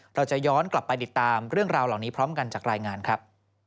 เราจะย้อนกลับไปติดตามเรื่องราวเหล่านี้พร้อมกันจากรายงานครับ